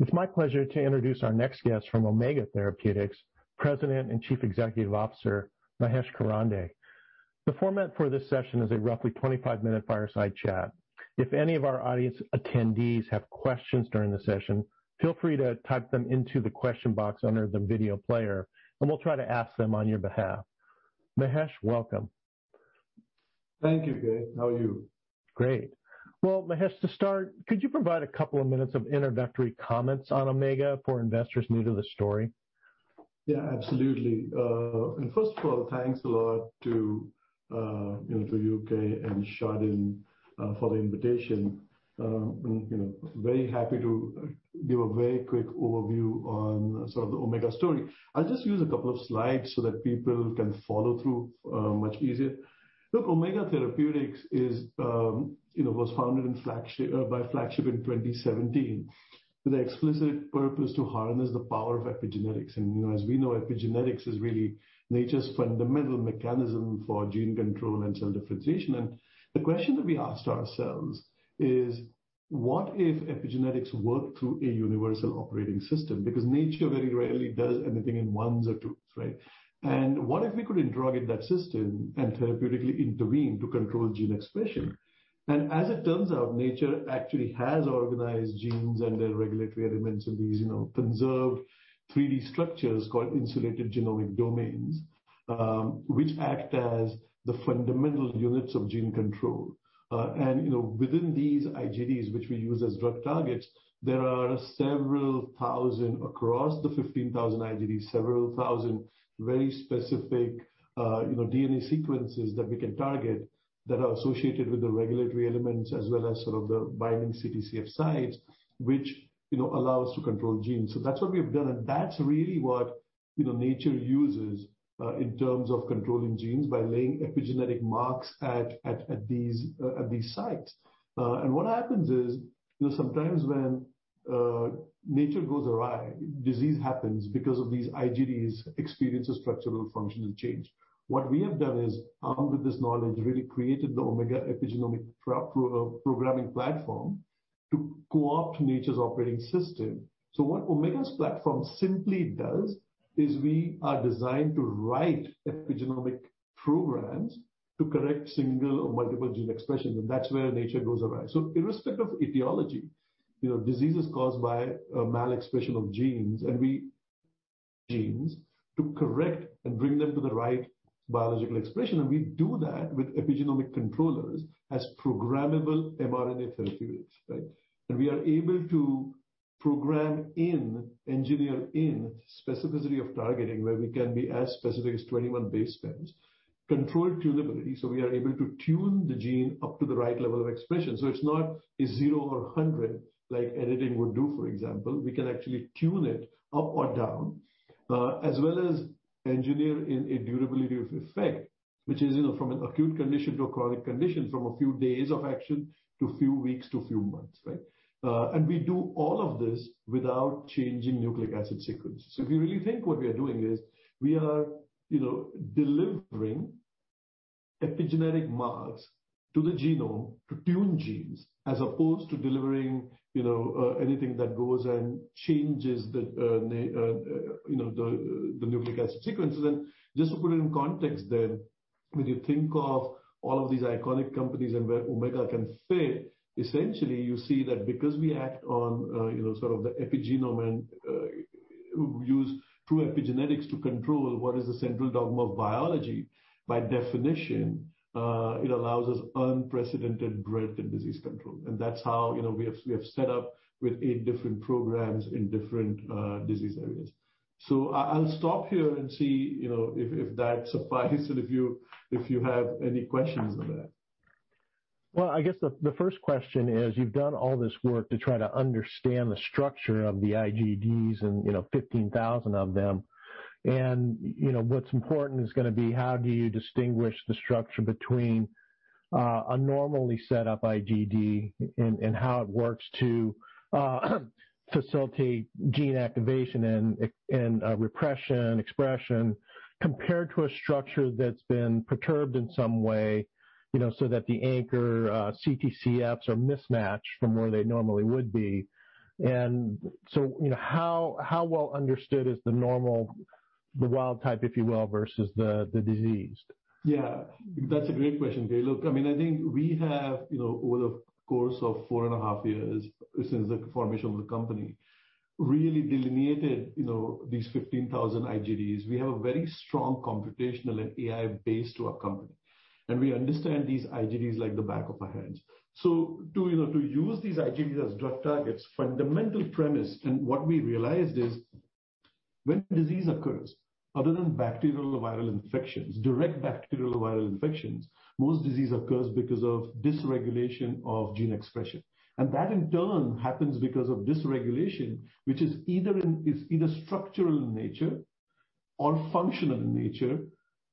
It's my pleasure to introduce our next guest from Omega Therapeutics, President and Chief Executive Officer, Mahesh Karande. The format for this session is a roughly 25-minute fireside chat. If any of our audience attendees have questions during the session, feel free to type them into the question box under the video player, and we'll try to ask them on your behalf. Mahesh, welcome. Thank you, Keay. How are you? Great. Well, Mahesh, to start, could you provide a couple of minutes of introductory comments on Omega for investors new to the story? Yeah, absolutely. First of all, thanks a lot to you, Keay, and Chardan for the invitation. Very happy to give a very quick overview on the Omega story. I'll just use a couple of slides so that people can follow through much easier. Look, Omega Therapeutics was founded by Flagship in 2017 with the explicit purpose to harness the power of epigenetics. As we know, epigenetics is really nature's fundamental mechanism for gene control and cell differentiation. The question that we asked ourselves is, what if epigenetics worked through a universal operating system? Because nature very rarely does anything in ones or twos, right? What if we could drug that system and therapeutically intervene to control gene expression? As it turns out, nature actually has organized genes and their regulatory elements in these conserved 3D structures called insulated genomic domains, which act as the fundamental units of gene control. Within these IGDs, which we use as drug targets, there are several thousand across the 15,000 IGDs, several thousand very specific DNA sequences that we can target that are associated with the regulatory elements, as well as the binding CTCF sites, which allow us to control genes. That's what we've done, and that's really what nature uses in terms of controlling genes by laying epigenetic marks at these sites. What happens is, sometimes when nature goes awry, disease happens because of these IGDs experience a structural functional change. What we have done is, armed with this knowledge, really created the Omega Epigenomic Programming platform to co-opt nature's operating system. What Omega's platform simply does is we are designed to write epigenomic programs to correct single or multiple gene expressions, and that's where nature goes awry. Irrespective of etiology, diseases caused by a mal-expression of genes, and we correct genes to bring them to the right biological expression, and we do that with epigenomic controllers as programmable mRNA therapeutics. We are able to program in, engineer in specificity of targeting, where we can be as specific as 21 base pairs, controlled tunability, we are able to tune the gene up to the right level of expression. It's not a zero or 100 like editing would do, for example. We can actually tune it up or down, as well as engineer in a durability of effect, which is from an acute condition to a chronic condition, from a few days of action to few weeks to few months, right? We do all of this without changing nucleic acid sequence. If you really think what we are doing is we are delivering epigenetic marks to the genome to tune genes as opposed to delivering anything that goes and changes the nucleic acid sequences. Just to put it in context then, when you think of all of these iconic companies and where Omega can fit, essentially, you see that because we act on the epigenome and use true epigenetics to control what is the central dogma of biology, by definition, it allows us unprecedented breadth in disease control. That's how we have set up with eight different programs in different disease areas. I'll stop here and see if that suffices, and if you have any questions on that. Well, I guess the first question is, you've done all this work to try to understand the structure of the IGDs and 15,000 of them. What's important is going to be how do you distinguish the structure between a normally set up IGD and how it works to facilitate gene activation and repression, expression, compared to a structure that's been perturbed in some way, so that the anchor CTCFs are mismatched from where they normally would be. How well understood is the normal, the wild type, if you will, versus the diseased? Yeah. That's a great question, Keay. Look, I think we have, over the course of 4.5 years since the formation of the company, really delineated these 15,000 IGDs. We have a very strong computational and AI base to our company. We understand these IGDs like the back of our hands. To use these IGDs as drug targets, fundamental premise and what we realized is when disease occurs, other than bacterial or viral infections, direct bacterial or viral infections, most disease occurs because of dysregulation of gene expression. That in turn happens because of dysregulation, which is either structural in nature or functional in nature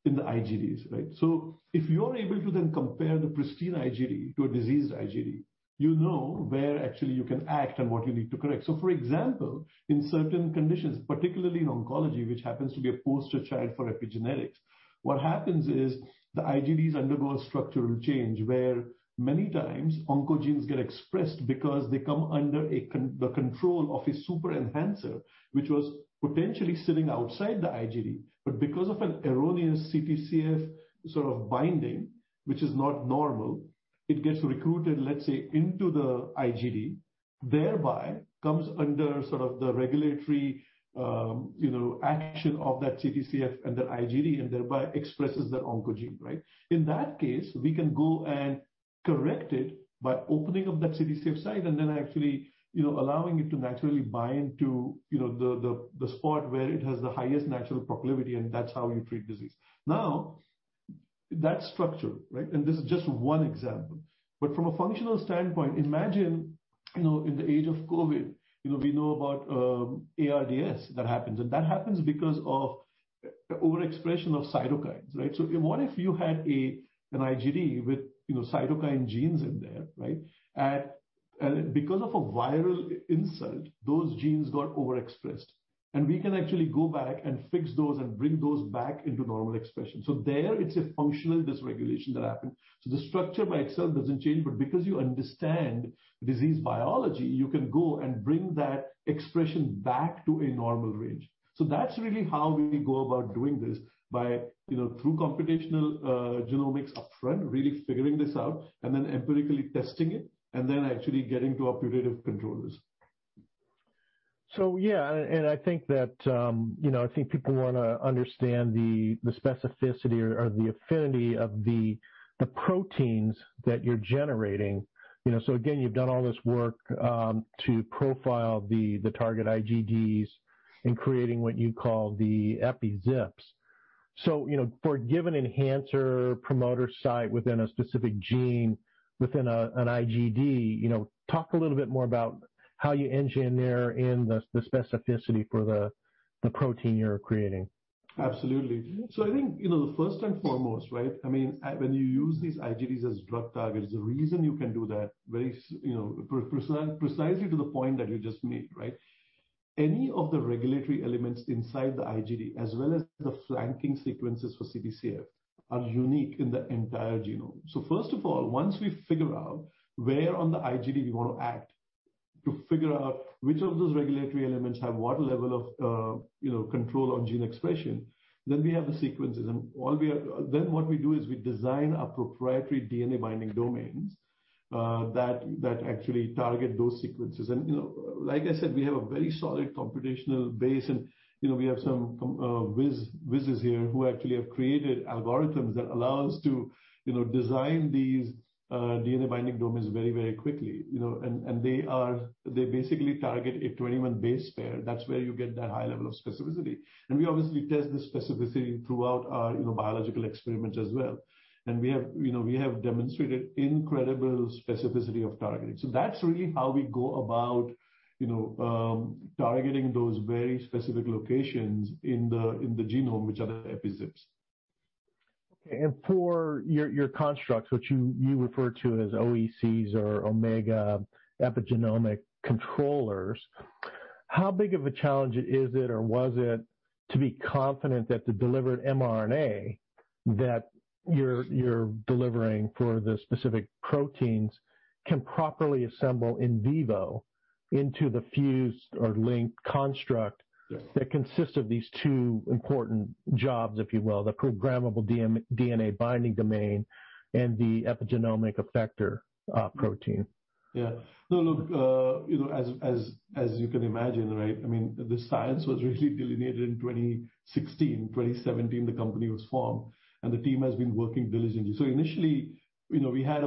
in the IGDs, right? If you are able to then compare the pristine IGD to a diseased IGD, you know where actually you can act and what you need to correct. For example, in certain conditions, particularly in oncology, which happens to be a poster child for epigenetics, what happens is the IGDs undergo a structural change where many times oncogenes get expressed because they come under the control of a super-enhancer, which was potentially sitting outside the IGD. Because of an erroneous CTCF sort of binding, which is not normal, it gets recruited, let's say, into the IGD, thereby comes under sort of the regulatory action of that CTCF and that IGD, and thereby expresses that oncogene, right? In that case, we can go and correct it by opening up that CTCF site and then actually allowing it to naturally bind to the spot where it has the highest natural proclivity, and that's how you treat disease. That's structure, right? This is just one example. From a functional standpoint, imagine in the age of COVID, we know about ARDS that happens, and that happens because of the overexpression of cytokines, right? What if you had an IGD with cytokine genes in there, right? Because of a viral insult, those genes got overexpressed, and we can actually go back and fix those and bring those back into normal expression. There, it's a functional dysregulation that happened. The structure by itself doesn't change, but because you understand disease biology, you can go and bring that expression back to a normal range. That's really how we go about doing this, through computational genomics upfront, really figuring this out, and then empirically testing it, and then actually getting to operative controllers. Yeah, and I think people want to understand the specificity or the affinity of the proteins that you're generating. Again, you've done all this work to profile the target IGDs in creating what you call the EpiZips. For a given enhancer promoter site within a specific gene within an IGD, talk a little bit more about how you engineer in the specificity for the protein you're creating. Absolutely. I think, first and foremost, right, when you use these IGDs as drug targets, the reason you can do that, precisely to the point that you just made, right? Any of the regulatory elements inside the IGD, as well as the flanking sequences for CTCF, are unique in the entire genome. First of all, once we figure out where on the IGD we want to act, to figure out which of those regulatory elements have what level of control on gene expression, we have the sequences. What we do is we design our proprietary DNA-binding domains that actually target those sequences. Like I said, we have a very solid computational base, and we have some whizzes here who actually have created algorithms that allow us to design these DNA-binding domains very, very quickly. They basically target a 21 base pair. That's where you get that high level of specificity. We obviously test the specificity throughout our biological experiments as well. We have demonstrated incredible specificity of targeting. That's really how we go about targeting those very specific locations in the genome, which are the EpiZips. Okay, for your constructs, which you refer to as OECs or Omega Epigenomic Controllers, how big of a challenge is it or was it to be confident that the delivered mRNA that you're delivering for the specific proteins can properly assemble in vivo into the fused or linked construct? Yeah that consists of these two important jobs, if you will, the programmable DNA-binding domain and the epigenomic effector protein? Yeah. No, look, as you can imagine, right? The science was really delineated in 2016. 2017, the company was formed, and the team has been working diligently. Initially, we had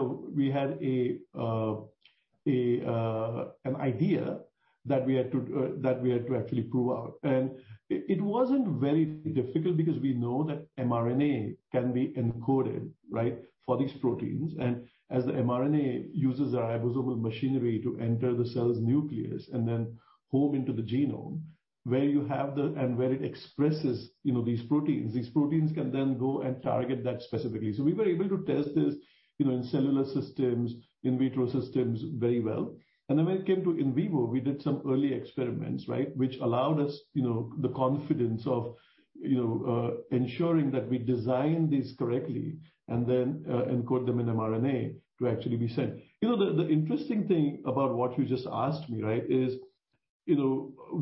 an idea that we had to actually prove out. It wasn't very difficult because we know that mRNA can be encoded, right, for these proteins. As the mRNA uses our ribosomal machinery to enter the cell's nucleus and then home into the genome, where it expresses these proteins, these proteins can then go and target that specifically. We were able to test this in cellular systems, in vitro systems very well. When it came to in vivo, we did some early experiments, right, which allowed us the confidence of ensuring that we designed these correctly and then encode them in mRNA to actually be sent. The interesting thing about what you just asked me, right, is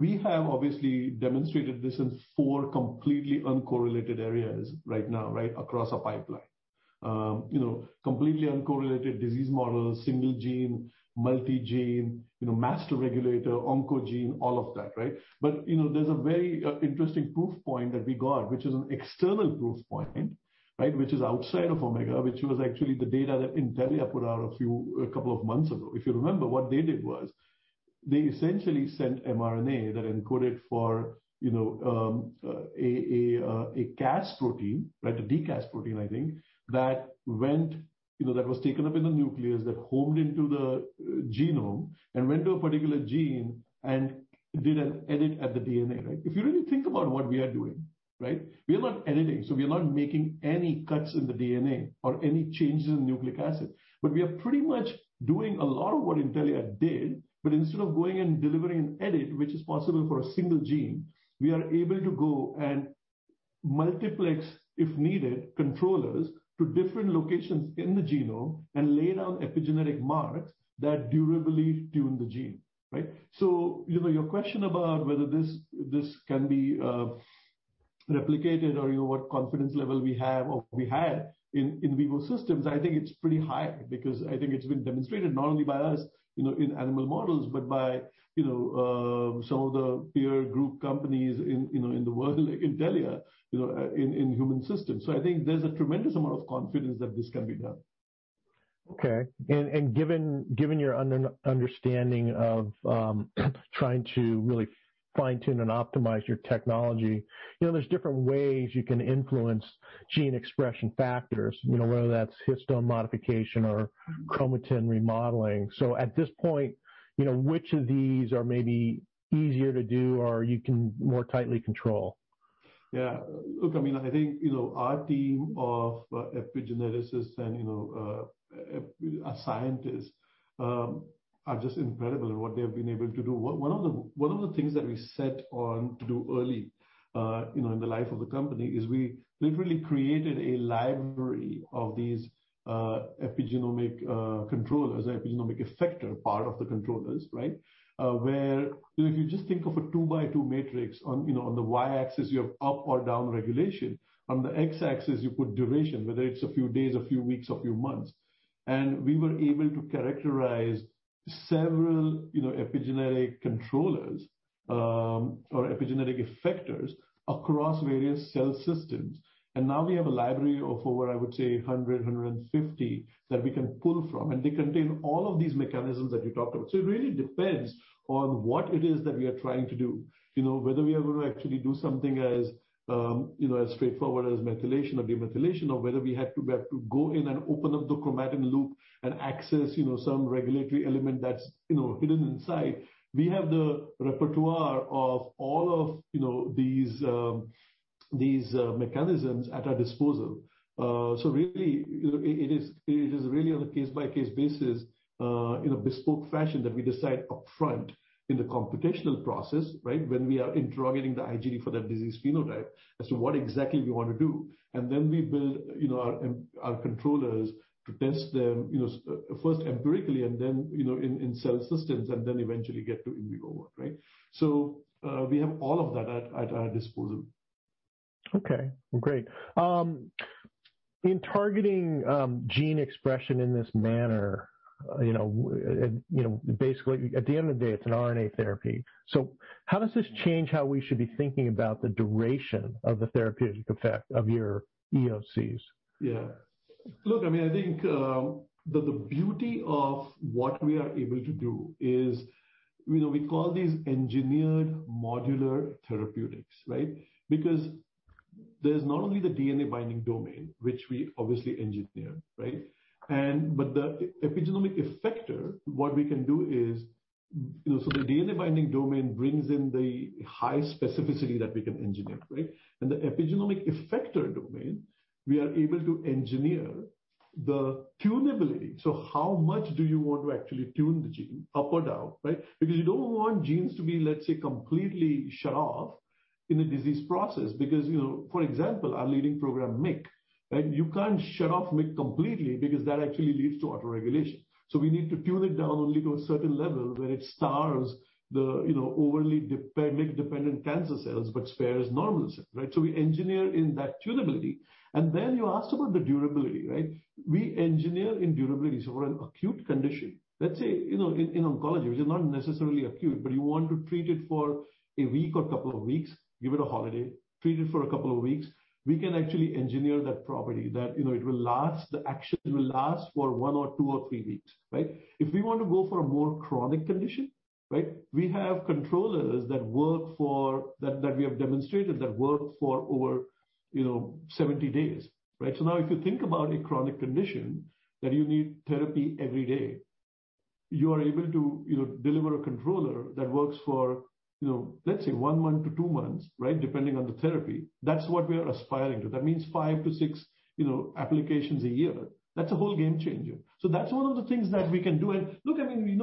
we have obviously demonstrated this in four completely uncorrelated areas right now, right, across our pipeline. Completely uncorrelated disease models, single gene, multi-gene, master regulator, oncogene, all of that, right? There's a very interesting proof point that we got, which is an external proof point, right, which is outside of Omega, which was actually the data that Intellia put out a couple of months ago. If you remember, what they did. They essentially sent mRNA that encoded for a Cas protein, a dCas protein, I think, that was taken up in the nucleus, that homed into the genome and went to a particular gene and did an edit at the DNA. If you really think about what we are doing, we are not editing, so we are not making any cuts in the DNA or any changes in nucleic acid. We are pretty much doing a lot of what Intellia did, but instead of going and delivering an edit, which is possible for a single gene, we are able to go and multiplex, if needed, controllers to different locations in the genome and lay down epigenetic marks that durably tune the gene. Your question about whether this can be replicated or what confidence level we have or we had in vivo systems, I think it's pretty high because I think it's been demonstrated not only by us in animal models, but by some of the peer group companies in the world, Intellia, in human systems. I think there's a tremendous amount of confidence that this can be done. Okay. Given your understanding of trying to really fine-tune and optimize your technology, there's different ways you can influence gene expression factors, whether that's histone modification or chromatin remodeling. At this point, which of these are maybe easier to do or you can more tightly control? Yeah. Look, I think our team of epigeneticists and our scientists are just incredible in what they have been able to do. One of the things that we set on to do early in the life of the company is we literally created a library of these epigenomic controllers, epigenomic effector part of the controllers. Where if you just think of a two-by-two matrix, on the Y-axis, you have up or down regulation. On the X-axis, you put duration, whether it's a few days, a few weeks, a few months. We were able to characterize several epigenetic controllers or epigenetic effectors across various cell systems. Now we have a library of over, I would say, 100, 150 that we can pull from, and they contain all of these mechanisms that you talked about. It really depends on what it is that we are trying to do. Whether we are going to actually do something as straightforward as methylation or demethylation, or whether we have to go in and open up the chromatin loop and access some regulatory element that's hidden inside. We have the repertoire of all of these mechanisms at our disposal. It is really on a case-by-case basis, in a bespoke fashion that we decide upfront in the computational process when we are interrogating the IGD for that disease phenotype as to what exactly we want to do. We build our controllers to test them, first empirically and then in cell systems, and then eventually get to in vivo work. We have all of that at our disposal. Okay, great. In targeting gene expression in this manner, basically at the end of the day, it's an RNA therapy. How does this change how we should be thinking about the duration of the therapeutic effect of your OECs? Yeah. Look, I think the beauty of what we are able to do is we call these engineered modular therapeutics. There's not only the DNA-binding domain, which we obviously engineered. The epigenomic effector, what we can do is the DNA-binding domain brings in the high specificity that we can engineer. The epigenomic effector domain, we are able to engineer the tunability. How much do you want to actually tune the gene up or down? You don't want genes to be, let's say, completely shut off in a disease process. For example, our leading program, MYC, you can't shut off MYC completely because that actually leads to autoregulation. We need to tune it down only to a certain level where it starves the overly MYC-dependent cancer cells, but spares normal cells. We engineer in that tunability, and then you asked about the durability. We engineer in durability. For an acute condition, let's say, in oncology, which is not necessarily acute, but you want to treat it for one week or couple of weeks, give it a holiday, treat it for a couple of weeks, we can actually engineer that property that the action will last for one or two or three weeks. If we want to go for a more chronic condition, we have controllers that we have demonstrated that work for over 70 days. Now if you think about a chronic condition that you need therapy every day, you are able to deliver a controller that works for, let's say, one to two months depending on the therapy. That's what we are aspiring to. That means five to six applications a year. That's a whole game changer. That's one of the things that we can do, and look,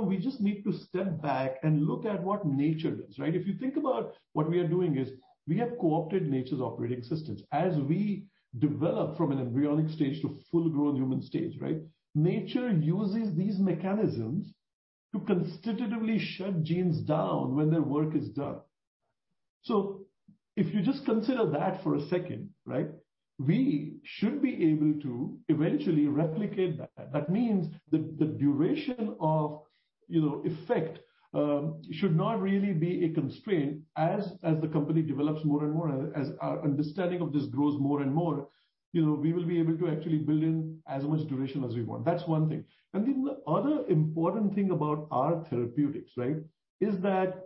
we just need to step back and look at what nature does. If you think about what we are doing is we have co-opted nature's operating systems. As we develop from an embryonic stage to full-grown human stage, nature uses these mechanisms to constitutively shut genes down when their work is done. If you just consider that for a second, we should be able to eventually replicate that. That means the duration of effect should not really be a constraint as the company develops more and more, as our understanding of this grows more and more, we will be able to actually build in as much duration as we want. That's one thing. The other important thing about our therapeutics is that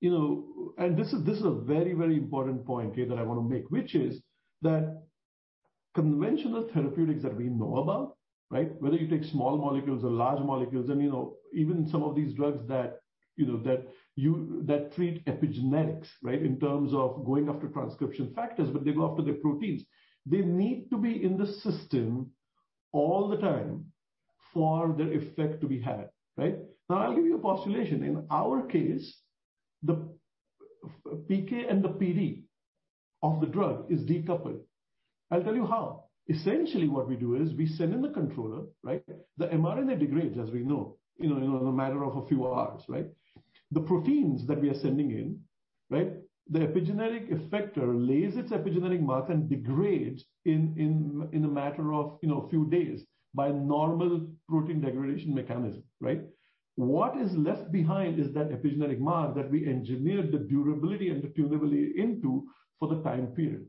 this is a very important point here that I want to make, which is that conventional therapeutics that we know about, whether you take small molecules or large molecules and even some of these drugs that treat epigenetics in terms of going after transcription factors, they go after the proteins. They need to be in the system all the time for their effect to be had. I'll give you a postulation. In our case, the PK and the PD of the drug is decoupled. I'll tell you how. Essentially, what we do is we send in the controller. The mRNA degrades, as we know, in a matter of a few hours. The proteins that we are sending in, the epigenetic effector lays its epigenetic mark and degrades in a matter of a few days by normal protein degradation mechanism. What is left behind is that epigenetic mark that we engineered the durability and the tunability into for the time period.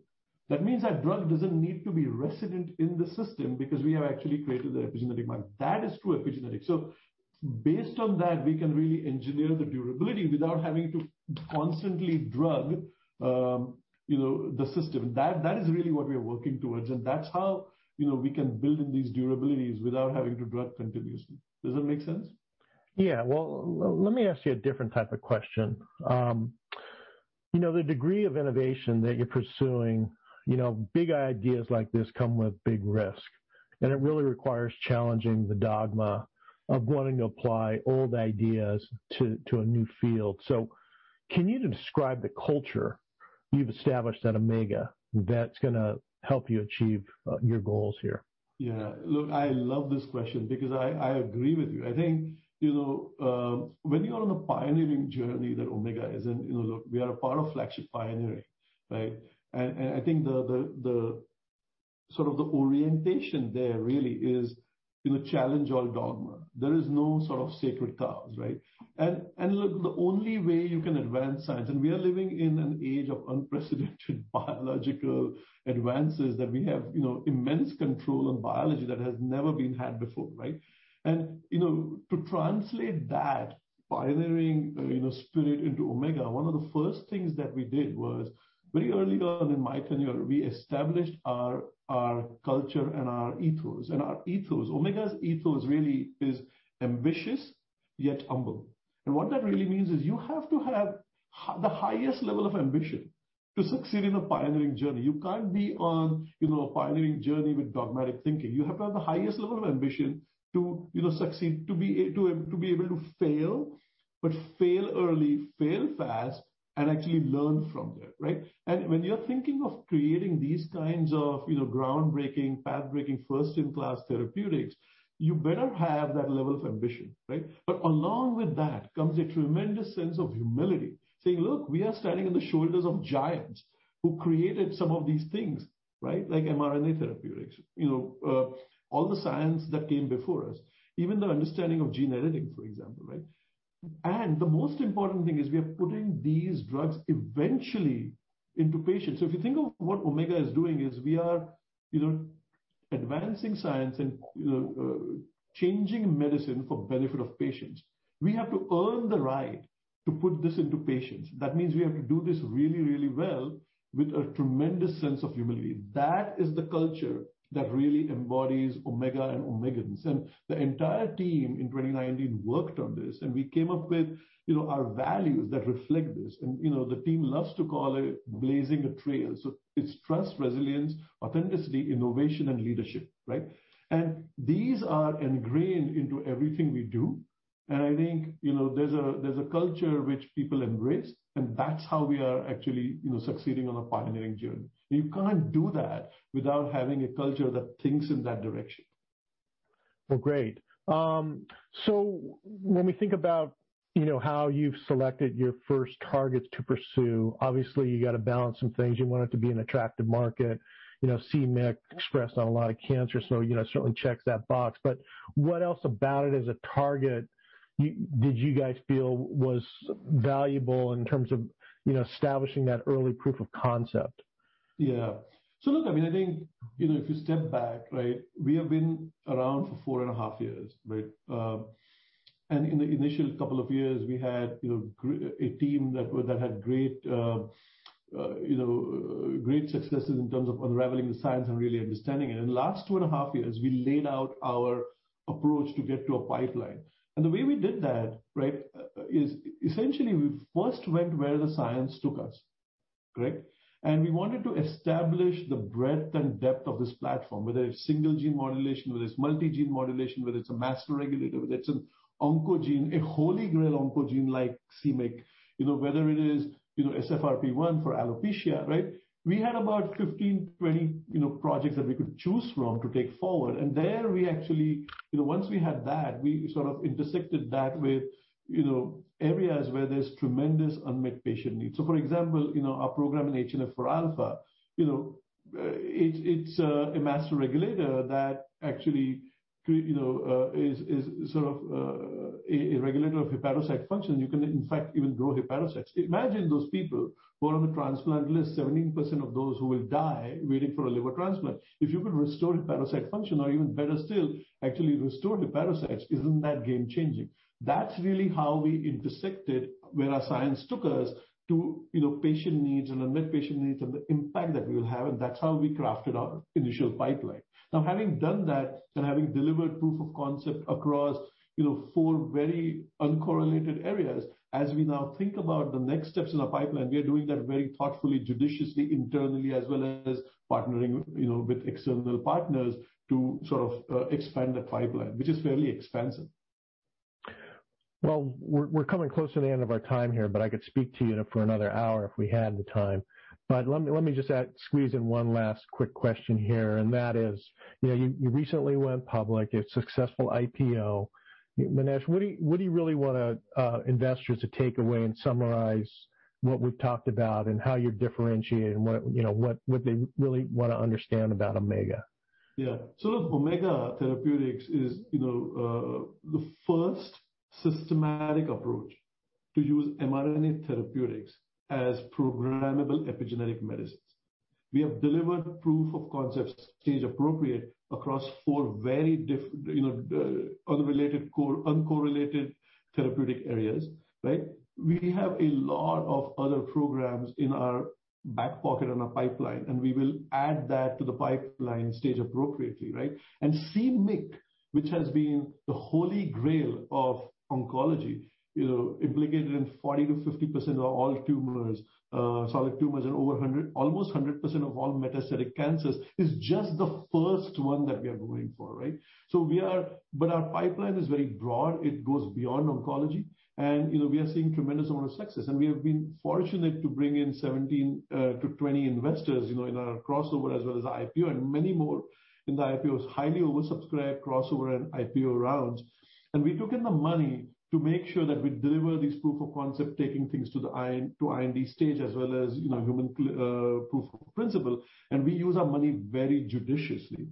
That means that drug doesn't need to be resident in the system because we have actually created the epigenetic mark. That is true epigenetic. Based on that, we can really engineer the durability without having to constantly drug the system. That is really what we are working towards, and that's how we can build in these durabilities without having to drug continuously. Does that make sense? Yeah. Well, let me ask you a different type of question. The degree of innovation that you're pursuing, big ideas like this come with big risk, and it really requires challenging the dogma of wanting to apply old ideas to a new field. Can you describe the culture you've established at Omega that's going to help you achieve your goals here? Yeah. Look, I love this question because I agree with you. I think, when you are on a pioneering journey that Omega is in, look, we are a part of Flagship Pioneering. I think the sort of the orientation there really is challenge all dogma. There is no sort of sacred cows. Look, the only way you can advance science, and we are living in an age of unprecedented biological advances, that we have immense control on biology that has never been had before. To translate that pioneering spirit into Omega, one of the first things that we did was very early on in my tenure, we established our culture and our ethos. Our ethos, Omega's ethos really is ambitious, yet humble. What that really means is you have to have the highest level of ambition to succeed in a pioneering journey. You can't be on a pioneering journey with dogmatic thinking. You have to have the highest level of ambition to succeed, to be able to fail, but fail early, fail fast, and actually learn from that. When you're thinking of creating these kinds of groundbreaking, pathbreaking, first-in-class therapeutics, you better have that level of ambition. Along with that comes a tremendous sense of humility, saying, "Look, we are standing on the shoulders of giants who created some of these things," like mRNA therapeutics, all the science that came before us, even the understanding of gene editing, for example. The most important thing is we are putting these drugs eventually into patients. If you think of what Omega is doing is we are advancing science and changing medicine for benefit of patients. We have to earn the right to put this into patients. That means we have to do this really well with a tremendous sense of humility. That is the culture that really embodies Omega and Omegans. The entire team in 2019 worked on this, and we came up with our values that reflect this. The team loves to call it blazing a trail. It's trust, resilience, authenticity, innovation, and leadership. These are ingrained into everything we do. I think there's a culture which people embrace, and that's how we are actually succeeding on a pioneering journey. You can't do that without having a culture that thinks in that direction. Well, great. When we think about how you've selected your first targets to pursue, obviously, you got to balance some things. You want it to be an attractive market. c-Myc expressed on a lot of cancer, so certainly checks that box. What else about it as a target did you guys feel was valuable in terms of establishing that early proof of concept? Look, I think if you step back, we have been around for 4.5 years. In the initial couple of years, we had a team that had great successes in terms of unraveling the science and really understanding it. In the last 2.5 years, we laid out our approach to get to a pipeline. The way we did that is essentially, we first went where the science took us. We wanted to establish the breadth and depth of this platform, whether it's single gene modulation, whether it's multi-gene modulation, whether it's a master regulator, whether it's an oncogene, a holy grail oncogene like c-Myc, whether it is SFRP1 for alopecia. We had about 15, 20 projects that we could choose from to take forward. There, we actually, once we had that, we sort of intersected that with areas where there's tremendous unmet patient needs. For example, our program in HNF4α, it's a master regulator that actually is sort of a regulator of hepatocyte function. You can, in fact, even grow hepatocytes. Imagine those people who are on the transplant list, 17% of those who will die waiting for a liver transplant. If you could restore hepatocyte function or even better still, actually restore hepatocytes, isn't that game changing? That's really how we intersected where our science took us to patient needs and unmet patient needs and the impact that we will have, and that's how we crafted our initial pipeline. Having done that and having delivered proof of concept across four very uncorrelated areas, as we now think about the next steps in our pipeline, we are doing that very thoughtfully, judiciously, internally, as well as partnering with external partners to sort of expand that pipeline, which is fairly expansive. Well, we're coming close to the end of our time here, but I could speak to you for another hour if we had the time. Let me just squeeze in one last quick question here, and that is, you recently went public, a successful IPO. Mahesh, what do you really want investors to take away and summarize what we've talked about and how you're differentiated and what would they really want to understand about Omega? Yeah. Look, Omega Therapeutics is the first systematic approach to use mRNA therapeutics as programmable epigenetic medicines. We have delivered proof of concepts stage appropriate across four very different, unrelated, uncorrelated therapeutic areas, right? We have a lot of other programs in our back pocket in our pipeline, we will add that to the pipeline stage appropriately, right? c-Myc, which has been the holy grail of oncology, implicated in 40%-50% of all tumors, solid tumors in over almost 100% of all metastatic cancers, is just the first one that we are going for, right? Our pipeline is very broad. It goes beyond oncology. We are seeing tremendous amount of success. We have been fortunate to bring in 17-20 investors in our crossover as well as our IPO and many more in the IPOs, highly oversubscribed crossover and IPO rounds. We took in the money to make sure that we deliver these proof of concept, taking things to IND stage as well as human proof of principle. We use our money very judiciously.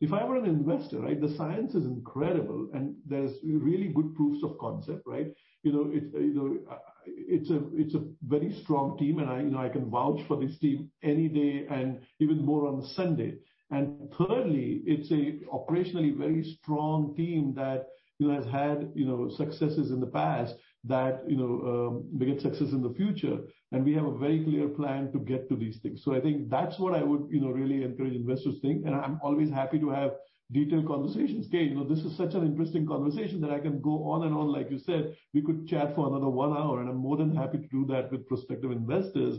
If I were an investor, right, the science is incredible, and there's really good proofs of concept, right? It's a very strong team, and I can vouch for this team any day and even more on Sunday. Thirdly, it's a operationally very strong team that has had successes in the past that will get success in the future. We have a very clear plan to get to these things. I think that's what I would really encourage investors think, and I'm always happy to have detailed conversations. Keay, this is such an interesting conversation that I can go on and on, like you said, we could chat for another one hour, and I'm more than happy to do that with prospective investors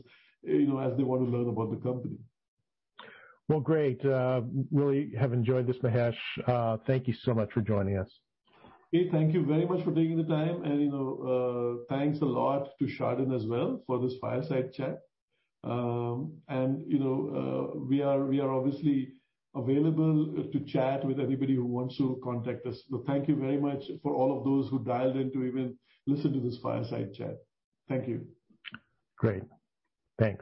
as they want to learn about the company. Well, great. Really have enjoyed this, Mahesh. Thank you so much for joining us. Keay, thank you very much for taking the time. Thanks a lot to Chardan as well for this fireside chat. We are obviously available to chat with anybody who wants to contact us. Thank you very much for all of those who dialed in to even listen to this fireside chat. Thank you. Great. Thanks.